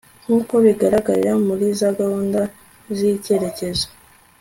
nk'uko bigaragarira muri za gahunda z'iy'icyerekezo